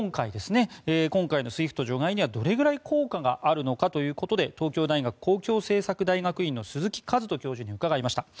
今回のＳＷＩＦＴ除外にはどれくらい効果があるのかということで東京大学公共政策大学院の鈴木一人教授に伺いました。